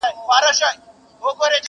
ضمیر غواړم چي احساس د سلګو راوړي,